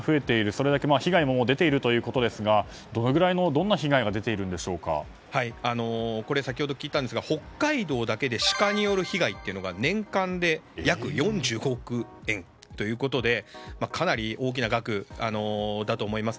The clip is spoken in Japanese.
それだけ被害も出ているということですがどれぐらいの、どんな被害が先ほど聞いたんですが北海道だけでシカによる被害というのが年間で約４５億円ということでかなり大きな額だと思います。